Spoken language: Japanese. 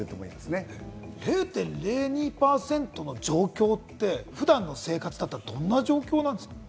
０．０２％の状況って普段の生活だったらどの状況なんですか？